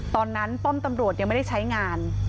ตอนนั้นป้อมตำรวจยังไม่ได้ใช้งาน